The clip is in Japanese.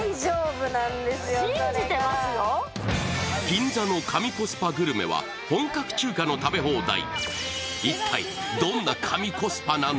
銀座の神コスパグルメは本格中華の食べ放題。